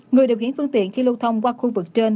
người điều khiển phương tiện khi lưu thông qua khu vực trên